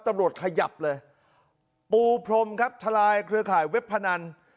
ตำรวจขยับเลยปูพรมครับทลายเครือข่ายเว็บพนัน